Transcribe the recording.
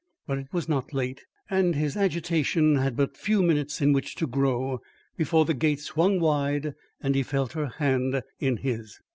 But it was not late, and his agitation had but few minutes in which to grow, before the gate swung wide and he felt her hand in his.